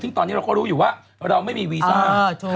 ซึ่งตอนนี้เราก็รู้อยู่ว่าเราไม่มีวีซ่า